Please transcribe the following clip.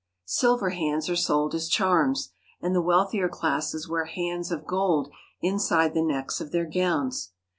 Silver hands are sold as charms, and the wealthier classes wear hands of gold inside the necks of their gowns.